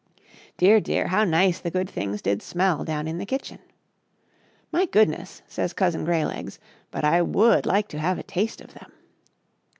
Dear, dear, how nice the good things did smell down in the kitchen !" My goodness I" says Cousin Greylegs, " but I would like to have a taste of them."